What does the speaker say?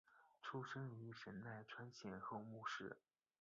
出身于神奈川县厚木市。